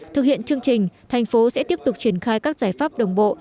thực hiện chương trình thành phố sẽ tiếp tục triển khai các giải pháp đồng bộ